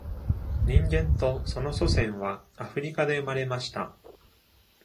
人間とその祖先は、アフリカで生まれました。